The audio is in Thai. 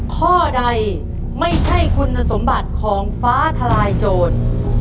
ข้อใดไม่ใช่คุณสมบัติของฟ้าทลายโจร